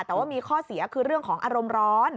แต่ว่ามีข้อเสียคือเรื่องของอารมณ์ร้อน